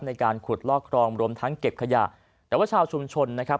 ในการขุดลอกครองรวมทั้งเก็บขยะแต่ว่าชาวชุมชนนะครับ